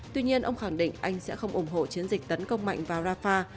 tuy nhiên ông khẳng định anh sẽ không ủng hộ chiến dịch tấn công mạnh vào rafah